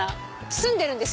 住んでるんです